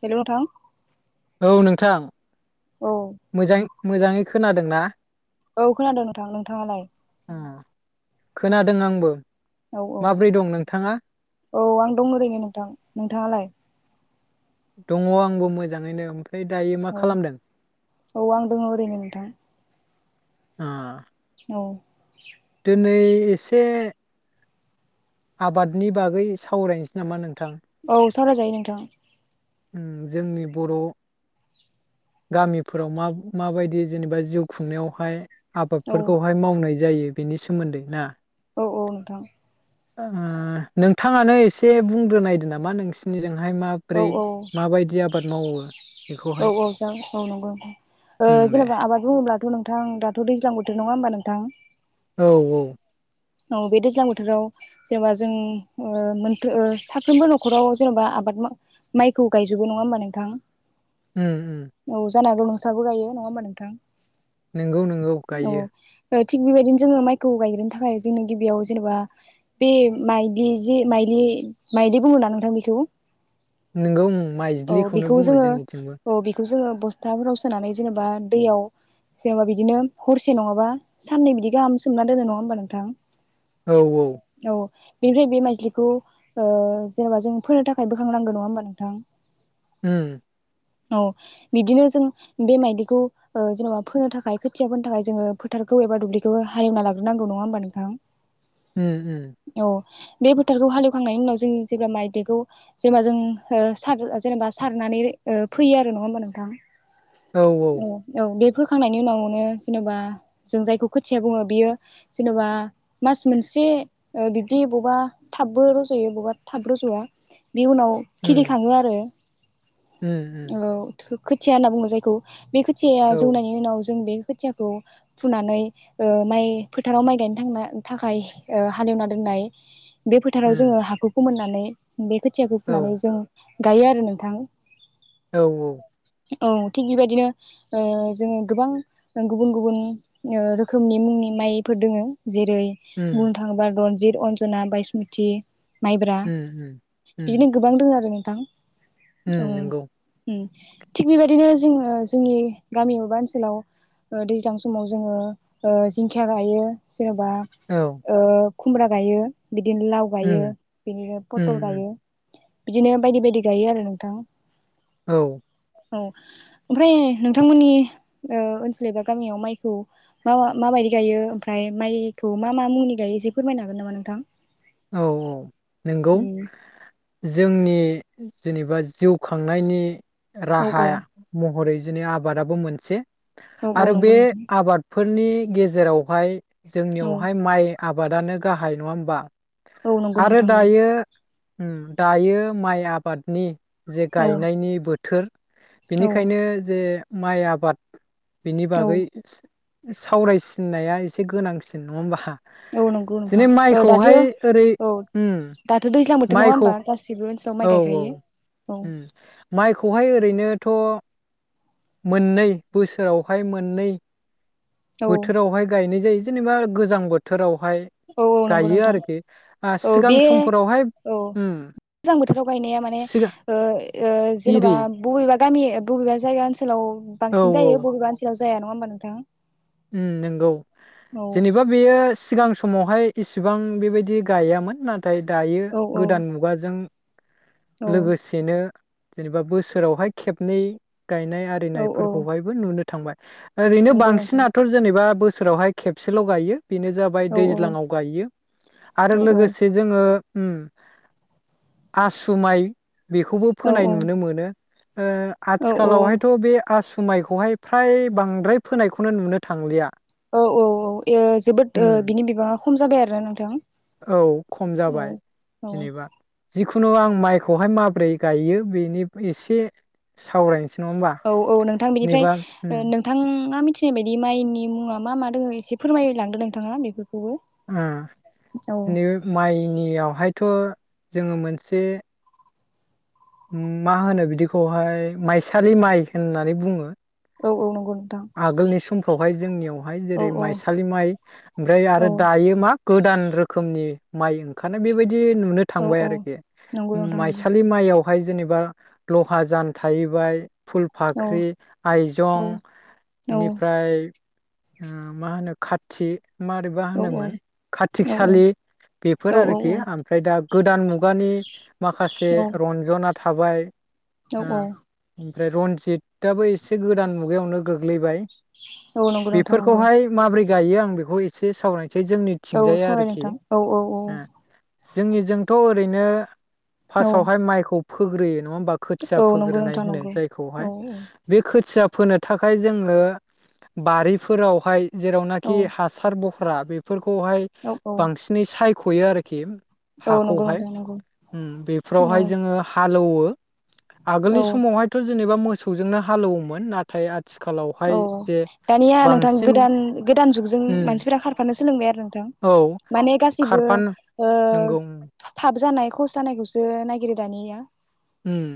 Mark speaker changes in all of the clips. Speaker 1: Hello नोंथां?
Speaker 2: औ नोंथां
Speaker 1: औ
Speaker 2: मोजां मोजाङै खोनादोंना?
Speaker 1: औ खोनादों नोंथां नोंथाङालाय
Speaker 2: ओम खोनादों आंबो
Speaker 1: औ औ
Speaker 2: माब्रै दं नोंथाङा?
Speaker 1: औ आं दं ओरैनो नोंथां। नोंथाङालाय?
Speaker 2: दङ आंबो मोजाङैनो दायो मा
Speaker 1: औ
Speaker 2: खालामदों?
Speaker 1: औ आं दङ ओरैनो नोंथां
Speaker 2: अ
Speaker 1: औ
Speaker 2: दिनै एसे आबादनि बागै सावरायनोसै नामा नों
Speaker 1: औ सावराय जायो नोंथां
Speaker 2: ओम जोंनि बर' गामिफोराव मा माबायदि जेनेबा जिउ खुंनायावहाय
Speaker 1: औ
Speaker 2: आबादफोरखौहाय मावनाय जायो बेनि सोमोन्दै ना
Speaker 1: औ औ नोंथां
Speaker 2: ओ नोंथाङानो एसे बुंग्रोनायदो नामा नोंसिनिजों
Speaker 1: औ
Speaker 2: माबोरै
Speaker 1: औ औ औ जागोन औ नंगौ नोथां
Speaker 2: उम
Speaker 1: औ
Speaker 2: दे
Speaker 1: जेनेबा आबाद बुङोब्ला थ' नोंथां दाथ' दैज्लां बोथोर नङा होमबा नोंथां
Speaker 2: औ औ
Speaker 1: औ बे दैज्लां बोथोराव जेनेबा जों ओ मोन साफ्रोमबो न'खराव जेनेबा आबाद मा-माइखौ गायजोबो नङा होमबा नोंथां।
Speaker 2: उम उम
Speaker 1: औ जानो हागौ नोंसाबो गायो नङा होमबा नोंथां?
Speaker 2: नोंगौ नोंगौ गायो।
Speaker 1: ओ थिग बेबायदिनो जोङो माइखौ गायग्रोनो थाखाय [unintelligible] गिबियाव जेनेबा बे माइदि जि माइलि माइदि बुङो ना नोंथां बेखौ?
Speaker 2: नोंगौ
Speaker 1: औ
Speaker 2: माइज्लिखौनो
Speaker 1: बेखौ
Speaker 2: बुङो
Speaker 1: जोङो
Speaker 2: जोंनिथिंबो।
Speaker 1: औ बेखौ जोङो बस्थाफोराव सोनानै जेनेबा दैयाव जेनेबा बिदिनो हरसे नङाबा साननै बिदि गाहाम सोमना दोनो नङा होमबा नोंथां?
Speaker 2: औ औ
Speaker 1: बेनिफ्राय बे माइज्लिखौ ओ जेनेबा जों फोनो थाखाय बोखांनांगो नङा होमबा नोंथां?
Speaker 2: उम
Speaker 1: औ बिदिनो जों बे मायदिखौ ओ जेन'बा फोनो थाखाय खोथिया फोनो थाखाय जोङो फोथारखौ एबा दुब्लिखौ हालेवना लाग्रोनांगौ नङा होमबा नोंथां?
Speaker 2: उम उम
Speaker 1: औ बे फोथारखौ हालेवखांनायनि उनाव जों जेब्ला माइदिखौ जेब्ला जों ओ सार जेनेबा सारनानै ओ फैयो आरो नङा होमबा नोंथां? औ औ बे फोखांनायनि उनावनो जेनबा जों जायखौ खोथिया बुङो बियो जेनबा मास मोनसे ओ बिब्दि बबा थाबबो रज'यो बबा थाब रज'वा। बे उनाव खिलि
Speaker 2: उम
Speaker 1: खाङो आरो
Speaker 2: उम उम
Speaker 1: औ थोब खोथिया होनना बुङो जायखौ बे खोथिया
Speaker 2: औ
Speaker 1: जौनायनि उनाव जों बे खोथियाखौ फुनानै ओ माइ फोथाराव माइ गायनो थांना थाखाय ओ हालेवना दोननाय बे फोथाराव
Speaker 2: उम
Speaker 1: जोङो हाखौ फोमोनना नै बे खोथियाखौ
Speaker 2: औ
Speaker 1: फुनानै जों गायो आरो नोंथां।
Speaker 2: औ औ
Speaker 1: औ थिग बेबायदिनो ओ जोङो गोबां गुबुन गुबुन ओ रोखोमनि मुंनि माइफोर दङ जेरै
Speaker 2: उम
Speaker 1: बुंनो थांबा रनजिथ अन्जना बायसमुथि माइब्रा
Speaker 2: उम उम
Speaker 1: बिदिनो गोबां दङ आरो थां औ
Speaker 2: उम नोंगौ
Speaker 1: उम थिग बेबायदिनो जोङो जोंनि गामि एबा ओनसोलाव ओ दैज्लां समाव जोङो ओ जिंखिया गायो जेनबा
Speaker 2: औ
Speaker 1: ओ खुमब्रा गायो बिदिनो लाव गायो
Speaker 2: उम
Speaker 1: बिदिनो
Speaker 2: उम
Speaker 1: फथल गायो। बिदिनो बायदि बायदि गायो आरो नोंथां।
Speaker 2: औ
Speaker 1: औ ओमफ्राय नोंथांमोननि ओ ओनसोल एबा गामियाव माइखौ मा माबायदि गायो ओमफ्राय माइखौ मा मा मुंनि गायो एसे फोरमायनो हागोन नामा नोंथां?
Speaker 2: औ औ नोंगौ
Speaker 1: उम
Speaker 2: । जोंनि जेनेबा जिउ खांनायनि
Speaker 1: औ
Speaker 2: राहा
Speaker 1: औ
Speaker 2: महरै- बिदिनो आबादाबो मोनसे
Speaker 1: औ औ
Speaker 2: आरो
Speaker 1: नंगौ
Speaker 2: बे
Speaker 1: नोंथां
Speaker 2: आबाद फोरनि गेजेरावहाय
Speaker 1: औ
Speaker 2: जोंनियावहाय माइ आबादानो गाहाय नङा होमबा?
Speaker 1: औ नंगौ
Speaker 2: आरो
Speaker 1: नोंथां नंगौ
Speaker 2: दायो उम दायो माइ आबादनि जे गायनायनि बोथोर
Speaker 1: औ
Speaker 2: बेनिखायनो जे माइ आबाद बिनि
Speaker 1: औ
Speaker 2: बागै सावरायसिननाया एसे गोनांसिन नङा होमबा?
Speaker 1: औ नंगौ
Speaker 2: दिनै
Speaker 1: नोंथां ओ
Speaker 2: माइखौहाय
Speaker 1: दाथो
Speaker 2: ओरै उम,
Speaker 1: नङा
Speaker 2: माइखौ
Speaker 1: होमबा गासिबो ओनसोलाव माइ
Speaker 2: औ औ,
Speaker 1: गायखायो औ
Speaker 2: उम माइखौहाय ओरैनो थ' मोननै बोसोरावहाय मोननै
Speaker 1: औ
Speaker 2: बोथोरावहाय गायनाय जायो जेनेबा गोजां बोथोराव बेहाय
Speaker 1: औ औ नंगौ
Speaker 2: गायो
Speaker 1: नोंथां
Speaker 2: आरोखि आ
Speaker 1: औ बे
Speaker 2: सिगां समफोरावहाय
Speaker 1: औ
Speaker 2: उम
Speaker 1: गोजां बोथोराव गायनाया माने
Speaker 2: सिगां
Speaker 1: ओ ओ
Speaker 2: इरि
Speaker 1: जेनेबा बबेबा गामि बबेबा जायगानो ओनस सोलाव बांसिन जायो बबेबा ओनसोलाव जाया नङा होमबा नोंथां?
Speaker 2: ओम नंगौ
Speaker 1: औ
Speaker 2: जेनेबा बेयो स सिगां समावहाय इसिबां बेबायदि गायामोन नाथ नाथाय दायो
Speaker 1: औ औ
Speaker 2: गोदान मुगाजों
Speaker 1: औ
Speaker 2: लोगोसेनो जेनेबा बोसोरावहाय खेबनै गायनाय
Speaker 1: औ औ
Speaker 2: आरिनायफोरखौहायबो नुनो थांबाय। ओरैनो
Speaker 1: नंगौ नोंथां
Speaker 2: बांसिना जेनेबा बोसोरावहाय खेबसेल' गायो बेनो जाबाय
Speaker 1: औ औ
Speaker 2: दैज्लाङाव गायो आरो
Speaker 1: औ
Speaker 2: लोगोसे जोङो। ओम आसुमाइ बेखौबो
Speaker 1: औ
Speaker 2: फोनाय नुनो मोनो। ओ
Speaker 1: औ
Speaker 2: आथिखालावहायथ' बे आस समुमायखौहाय फ्राय बांद्राय फोनायखौनो नुनो थांलिया
Speaker 1: औ औ औ एह जोबोद ओ
Speaker 2: उम
Speaker 1: बिनि बिबाङा खम जाबाय आरोना नोंथां।
Speaker 2: औ खम
Speaker 1: औ
Speaker 2: जाबाय
Speaker 1: औ
Speaker 2: जेनेबा जिखुनु आं माइखौहाय माबोरै गायो बेनि एसे सावरायनो
Speaker 1: औ औ नोंथां बेनिफ्राय
Speaker 2: उम
Speaker 1: नोंथाङा मि थिनाय बायदि माइनि मुङा मा मा दङ एसे फोरमायलांदों नोंथाङा बेफोर
Speaker 2: नै माइनियाव बेहायथ जोङो मोनसे मा होनो बिदिखौहाय माइसालि माइ होननानै बुङो।
Speaker 1: औ औ नंगौ नोंथां
Speaker 2: आगोलनि सम अहाय जोंनियाव हाय
Speaker 1: औ
Speaker 2: जेरै
Speaker 1: औ
Speaker 2: माइसालि माइ ओमफ्राय
Speaker 1: औ
Speaker 2: आरो दायो मा गोदान रोखोमनि माइ ओंखारनाय बेबाय नुनो
Speaker 1: औ
Speaker 2: थांबाय
Speaker 1: औ
Speaker 2: आरोखि
Speaker 1: नंगौ नोंथां नंगौ
Speaker 2: माइसालि माइयाव बेहाय जेनेबा लहा जान थाहैबाय
Speaker 1: औ
Speaker 2: फुलफाख्रि
Speaker 1: औ
Speaker 2: आइजं
Speaker 1: औ
Speaker 2: बेनिफ्राय मा होनो खाथि मारैबा
Speaker 1: औ औ
Speaker 2: होनोमोन
Speaker 1: औ औ
Speaker 2: खातिकसालि बेफोर
Speaker 1: औ
Speaker 2: आरोखि ओमफ्राय दा गोदान मु गानि माखासे रन्जना थाबाय
Speaker 1: औ
Speaker 2: आ उम आमफ्राय रनजितआबो एसे गोदान मुगायावनो गोग्लैबाय
Speaker 1: औ नंगौ नोंथां नंगौ
Speaker 2: बेफोरखौहाय माबोरै दायो आं बेखौ एसे सावराय
Speaker 1: औ सावराय नोंथां औ औ औ।
Speaker 2: ओ जोंनिजोंथ ओरैनो
Speaker 1: औ
Speaker 2: फासआवहाय माइखौ फोग्रोयो। नङा होनबा खोथिया
Speaker 1: औ नंगौ
Speaker 2: फोग्रोनाय
Speaker 1: नोंथां
Speaker 2: होनो
Speaker 1: नंगौ
Speaker 2: जायखौहाय
Speaker 1: औ
Speaker 2: बे खोथिया फोनो थाखाय जोङो बारिफोरावहाय
Speaker 1: औ
Speaker 2: जेरावनाखि हासार फ्रा बेफोर खौहाय
Speaker 1: औ औ
Speaker 2: बांसिनै सायख'यो आरो खिम
Speaker 1: औ नंगौ
Speaker 2: हाखौहाय
Speaker 1: नोंथां नंगौ
Speaker 2: ओम
Speaker 1: औ
Speaker 2: बेफोरावहाय जोङो हालौवो । आगोलनि
Speaker 1: औ
Speaker 2: समावहायथ' जों जेनेबा मोसौजोंनो हालौवोमोन ना थाय
Speaker 1: औ दानिया नोंथां
Speaker 2: बांसिन
Speaker 1: गोदान गोदान जुगजों
Speaker 2: उम
Speaker 1: मानसिफोरा खारफानो सो लोंबाय आरो
Speaker 2: औ
Speaker 1: [unintelligible] माने गासिबो
Speaker 2: खारफान
Speaker 1: ओ
Speaker 2: नंगौ
Speaker 1: थाब जानाय खहस जानायखौसो नागिरो दानिया ।
Speaker 2: ओम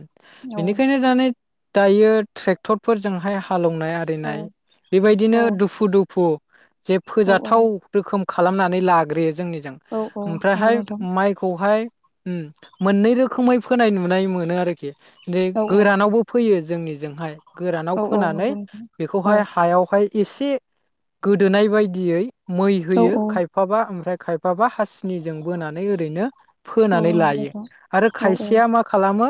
Speaker 2: बेनिखायनो दानाय दायो ट्रेक्टरफोरजोंहाय हालौनाय
Speaker 1: औ
Speaker 2: आरिनाय
Speaker 1: औ
Speaker 2: बेबायदिनो दुफु दुफु जे
Speaker 1: औ
Speaker 2: फोजाथाव रोखोम खालामनानै लाग्रोनो जोंनिजों
Speaker 1: औ औ नंगौ
Speaker 2: ओमफ्रायहाय
Speaker 1: नोंथां
Speaker 2: माइखौहाय होम मोननै रोखोमै फोनाय नु [unintelligible] नाय मोनो आरोखि [unintelligible]
Speaker 1: औ औ
Speaker 2: गोरानावबो फैयो जोंनि जोंहाय। गोरानाव
Speaker 1: औ औ
Speaker 2: फोनानै
Speaker 1: नंगौ नोंथां औ
Speaker 2: बेखौहाय हायावहाय इसे गोदोनाय बायदियै मै
Speaker 1: औ
Speaker 2: होयो
Speaker 1: औ
Speaker 2: खायफाबा ओमफ्राय खाय माबा हासिनिजों बोनानै ओरैनो
Speaker 1: औ
Speaker 2: फोनानै
Speaker 1: नंगौ
Speaker 2: लायो
Speaker 1: नोंथां
Speaker 2: आरो
Speaker 1: औ
Speaker 2: खायसेया मा खालामो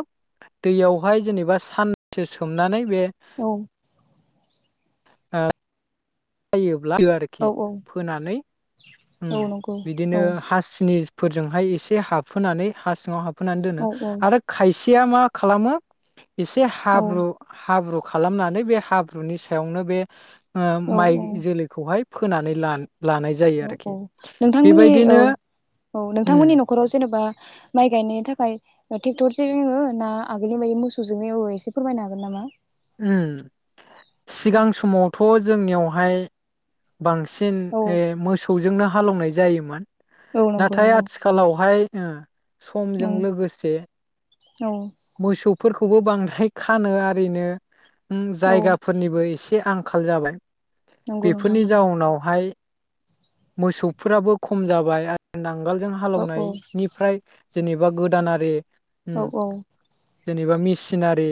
Speaker 2: दैहाय जेनेबा सानसे सोमनानै बे
Speaker 1: औ
Speaker 2: ओ
Speaker 1: औ
Speaker 2: [unintelligible] [unintelligible] फोनानै ओम
Speaker 1: औ नंगौ
Speaker 2: बिदिनो
Speaker 1: औ
Speaker 2: हासिनि फोरजोंहाय एसे हाबहोनानै हा सिङाव हाब होनानै दोनो
Speaker 1: औ औ
Speaker 2: आरो खायसे सेया मा खालामो एसे
Speaker 1: औ
Speaker 2: हाब्रु हाब्रु खालामनानै बे हाब्रुनि सायावनो बे
Speaker 1: औ
Speaker 2: माइ जोलैखौहाय फोनानै लान
Speaker 1: औ औ नोंथांमोननि औ औ
Speaker 2: उम
Speaker 1: नोंथांमोननि नखराव जेनेबा माइ गायनायनि थाखाय ट्रेक्टरजों एवो ना आगोलनि बायदि मोसौजोंनो एवो एसे फोरमायनो हागोन नामा?
Speaker 2: उम सिगां समावथ जोंनियावहाय बांसिन
Speaker 1: औ
Speaker 2: उम मोसौजोंनो हालेवनाय जायोमोन।
Speaker 1: औ नंगौ
Speaker 2: नाथाय
Speaker 1: नंगौ
Speaker 2: आथिखालावहाय ओ समजों
Speaker 1: ओं
Speaker 2: लोगोसे
Speaker 1: औ
Speaker 2: मोसौफोरखौबो बांद्राय खानो आरिनो उम
Speaker 1: औ
Speaker 2: जायगाफोरनिबो एसे आंखाल जाबाय
Speaker 1: नंगौ नोंथां
Speaker 2: बेफोरनि
Speaker 1: नंगौ
Speaker 2: जाउनावहाय मोसौफोराबो खम जाबाय आरो नां नांगालजों
Speaker 1: औ
Speaker 2: हालौनाय निफ्राय जेनेबा गोदानारि उम
Speaker 1: औ औ।
Speaker 2: जेनेबा मिसिनारि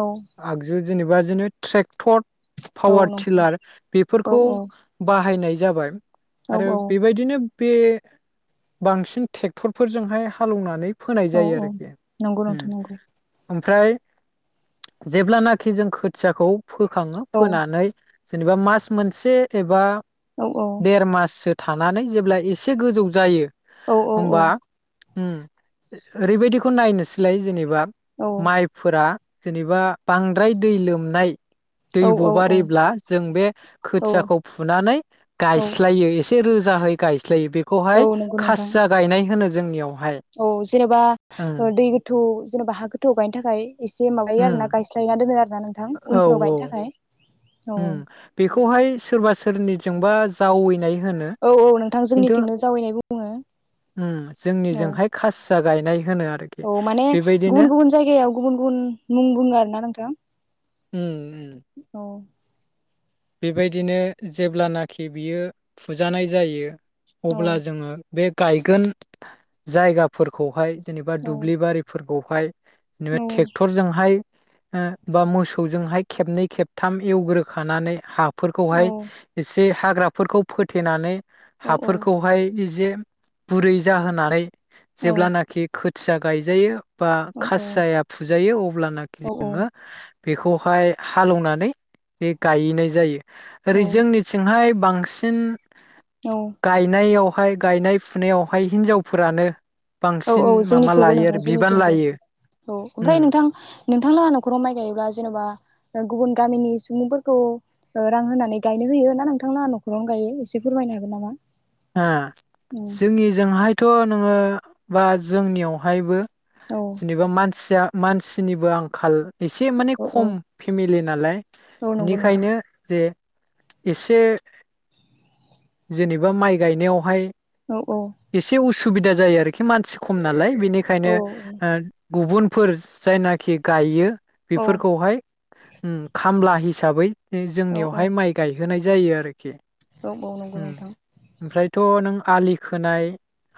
Speaker 1: औ
Speaker 2: आगजु जेनेबा बिदिनो ट्रेक्टर
Speaker 1: औ
Speaker 2: पावार
Speaker 1: नंगौ
Speaker 2: टिलार
Speaker 1: औ
Speaker 2: बेफोरखौ बाहायनाय जाबाय।
Speaker 1: औ
Speaker 2: आरो
Speaker 1: औ
Speaker 2: बेबायदिनो बे बांसिन ट्रेक्टरफोरजोंहाय हालेवनानै फोनाय
Speaker 1: औ
Speaker 2: जायो
Speaker 1: औ
Speaker 2: आरोखि।
Speaker 1: नंगौ नोंथां नंगौ।
Speaker 2: [unintelligible] जेब्लानाखि जों खोथियाखौ फोखाङो
Speaker 1: औ
Speaker 2: फोनानै जेनेबा मास मोनसे एबा
Speaker 1: औ औ
Speaker 2: देर माससो थानानै जेब्ला एसे गोजौ जायो
Speaker 1: औ औ औ
Speaker 2: होमबा उम ओरैबायदिखौ नायनोसै। लाय जेनेबा।
Speaker 1: औ
Speaker 2: माइफोरा‌। जेनेबा बांद्राय दै लोमनाय। दैब
Speaker 1: औ
Speaker 2: बारिब्ला जों बे
Speaker 1: औ
Speaker 2: खोथियाखौ फुनानै
Speaker 1: औ
Speaker 2: गायस्लायो एस। से रोजाहै गायस। जोय बेखौहाय
Speaker 1: औ नंगौ नोंथां
Speaker 2: खासिया गायनाय होनो ज जोंनियाव।
Speaker 1: औ जेनेबा ओ दै गोथौ। जेनबा हा गोथौ गायनो थाखाय। एसे माबायो
Speaker 2: उम
Speaker 1: आरोना गायस्लायना दोनो आरोना नोंथां
Speaker 2: औ
Speaker 1: उनफोराव
Speaker 2: औ
Speaker 1: गायनो थाखाय औ।
Speaker 2: सोरनिथिंबा जावैनाय। होनो
Speaker 1: औ-औ नोंथां
Speaker 2: खिन्थु
Speaker 1: जोंनिथिंनो जावैनाय बुं।
Speaker 2: उम
Speaker 1: दङो।
Speaker 2: जोंनिजोंहाय खासिया गायनाय होनो आरोखि
Speaker 1: औ -औ माने
Speaker 2: बेबायदिनो
Speaker 1: गुबुन -गुबुन जायगायाव गुबुन -गुबुन मुं बुङो आरो ना नोंथां?
Speaker 2: उम उम
Speaker 1: औ।
Speaker 2: बेबायदिनो जेब्लानाखि बियो फुजानाय जायो
Speaker 1: औ
Speaker 2: अब्ला जोङो। बे गायगोन जायगाफोरखौहाय जेनेबा
Speaker 1: औ
Speaker 2: दुब्लि बारिफोरखौ [unintelligible] नेबा
Speaker 1: औ
Speaker 2: ट्रेक्टरजोंहाय। ओ बा मोसौजोंहाय खेबनै खेबथाम एवग्रोखानानै हाब
Speaker 1: औ
Speaker 2: फोरखौहाय एसे हाग्राफोरखौ फोथेनानै
Speaker 1: औ
Speaker 2: हाफोरखौहाय इजे बुरै जाहोनानै जेब्लानाखि खो फिसा गायजायो। बा
Speaker 1: औ
Speaker 2: खासिया या फुजायो अब्लानाखि
Speaker 1: औ
Speaker 2: जोंङो बेखौहाय हालौवनानै बे गायैनाय जायो ओरै
Speaker 1: औ
Speaker 2: जोंनिथिंहाय बांसिन गायनायाव माय गायनाय फुनायावहाय हिन्जावफोरानो
Speaker 1: औ औ जोंनिखौबो नोंथां जोंनिथिंबो
Speaker 2: लायो
Speaker 1: औ
Speaker 2: उम
Speaker 1: ओमफ्राय नोंथां नोंथांलाहा न'खराव माइ गायोब्ला जेनेबा गुबुन गामिनि सुबुंफोरखौ रां होनानै गायनो होयो ना, नोंथांनां न'खरावनो गायो एसे फोरमायनो हागोन नामा?
Speaker 2: ओं
Speaker 1: उम
Speaker 2: जोंनिजोंहाय थ' नोंङो बा जोंनियावहायबो
Speaker 1: औ
Speaker 2: जेनेबा मानसिया मानसिनिबो आंखाल। एसे माने
Speaker 1: औ
Speaker 2: खम फेमिलि नालाय
Speaker 1: औ नंगौ नोंथां
Speaker 2: बेनिखायनो जे। एसे जेनेबा माइ गायनायावहाय
Speaker 1: औ औ
Speaker 2: सुबिदा जायो आरो मानसि खम नालाय बिनिखायनो
Speaker 1: औ
Speaker 2: ओ गुबुनफोर जायनाखि गायो
Speaker 1: औ
Speaker 2: बेफोरखौहाय उम खामला हिसाबै
Speaker 1: औ औ
Speaker 2: जोंनियावहाय माइ गायहोनाय जायो आरोखि
Speaker 1: औ औ नंगौ
Speaker 2: उम
Speaker 1: नोंथां
Speaker 2: ओमफ्रायथ' नों आलि खोनाय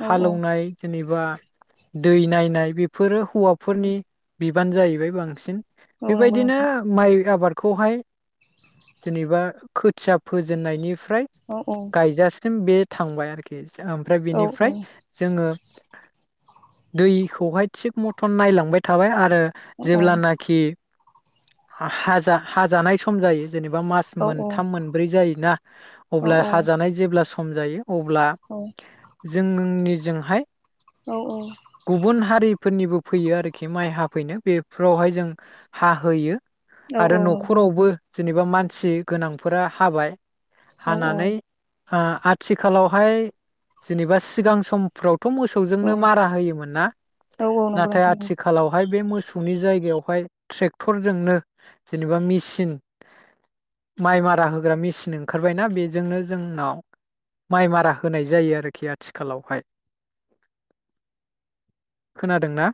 Speaker 1: औ औ
Speaker 2: हालोवनाय जेनेबा दै नायनाय बेफोरो हौवाफोरनि बिबान जाहैबाय बांसिन
Speaker 1: औ नंगौ
Speaker 2: बेबायदिनो
Speaker 1: नोंथां
Speaker 2: माइ आबाद खौहाय जेनेबा खोथिया फोजेननायनि फ्राइ
Speaker 1: औ औ
Speaker 2: गायजासिम बे थांबाय आरोखि ओमफ्राय
Speaker 1: औ औ
Speaker 2: बिनिफ्राय जोंङो दैखौहाय थिग मथन नायलांबाय थाबाय आ आरो
Speaker 1: औ
Speaker 2: जेब्लानाखि हाजा हाजानाय सम जायो जेनेबा मास
Speaker 1: औ
Speaker 2: मोनथाम मोनब्रै जायोना
Speaker 1: औ
Speaker 2: अब्ला हाजानाय जेब्ला स हम जायो। अब्ला जोंनों निजों हाय।
Speaker 1: औ
Speaker 2: गुबुन हारि फोरनिबो फैयो आरोखि माइ हाफैनो बेफोरावहाय जों हाहोयो। आरो
Speaker 1: औ नंगौ
Speaker 2: न'खरावबो
Speaker 1: नोंथां औ
Speaker 2: जेनेबा मान मानसि गोनांफोरा हाबाय।
Speaker 1: औ औ
Speaker 2: आ आथिखालावहाय जेनेबा सिगां समफ्राव बेखौ मोसौजोंनो
Speaker 1: औ
Speaker 2: मारा होयोमोन ना
Speaker 1: औ नंगौ
Speaker 2: नाथाय
Speaker 1: नोंथां
Speaker 2: आथिखालावहाय बे मोस। मोसौनि जायगायावहाय जोंनाव माइ मारा होनाय जायो आरोखि आथिखालावहाय खोनादोंना